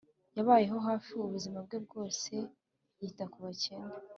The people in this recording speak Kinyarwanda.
yabayeho hafi ubuzima bwe bwose yita ku bakene